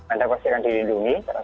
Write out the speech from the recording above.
anda pasti akan dilindungi